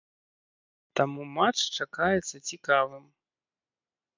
Таму матч чакаецца цікавым.